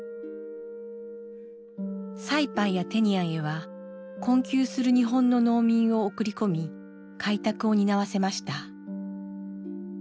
サイパンやテニアンへは困窮する日本の農民を送り込み開拓を担わせました。